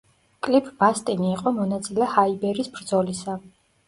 კლიფ ბასტინი იყო მონაწილე ჰაიბერის ბრძოლისა.